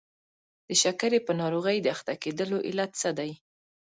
د شکرې په ناروغۍ د اخته کېدلو علت څه دی؟